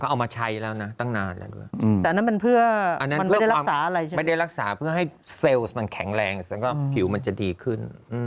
เอามาใช้แบบนั้นไม่ได้รักษาเพื่อให้เซลมันแข็งแรงนะก็ผิวอย่างมันจะดีขึ้น